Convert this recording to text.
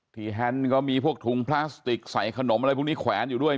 แฮนด์ก็มีพวกถุงพลาสติกใส่ขนมอะไรพวกนี้แขวนอยู่ด้วย